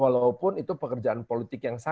walaupun itu pekerjaan politik yang sama